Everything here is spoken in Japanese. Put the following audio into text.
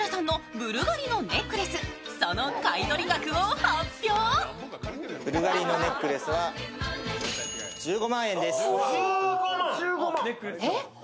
ブルガリのネックレスは１５万円です。